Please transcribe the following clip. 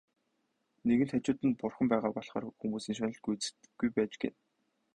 Нэгэнт хажууд нь Бурхан байгаа болохоор хүмүүсийн шунал гүйцэгддэггүй байж гэнэ.